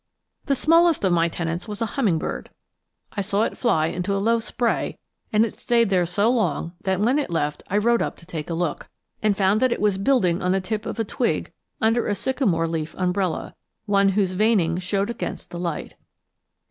The smallest of my tenants was a hummingbird. I saw it fly into a low spray, and it stayed there so long that when it left I rode up to look, and found that it was building on the tip of a twig under a sycamore leaf umbrella, one whose veining showed against the light.